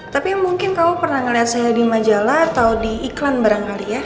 tapi mungkin kamu pernah melihat saya di majalah atau di iklan barangkali ya